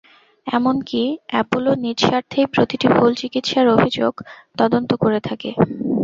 এমনকি অ্যাপোলো নিজ স্বার্থেই প্রতিটি ভুল চিকিৎসার অভিযোগ তদন্ত করে থাকে।